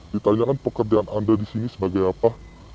ditanyakan pekerjaan anda di sini sebagai apa